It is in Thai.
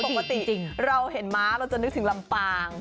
ปกติเราเห็นม้าเราจะนึกถึงลำปาง